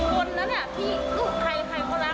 คนนั้นที่ลูกใครใครเขารัก